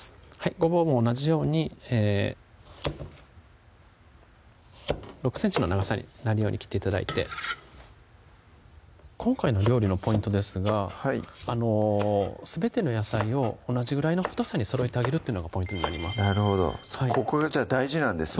ごぼうも同じように６ｃｍの長さになるように切って頂いて今回の料理のポイントですがすべての野菜を同じぐらいの太さにそろえてあげるっていうのがポイントになりますなるほどここが大事なんですね